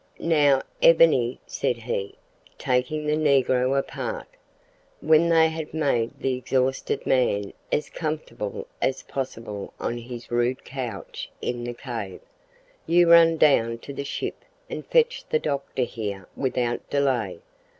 "Now, Ebony," said he, taking the negro apart, when they had made the exhausted man as comfortable as possible on his rude couch in the cave; "you run down to the ship and fetch the doctor here without delay.